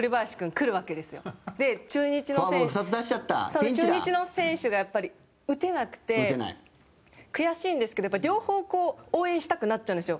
中日の選手が打てなくて悔しいんですけど、両方応援したくなっちゃうんですよ。